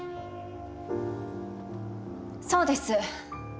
そうです。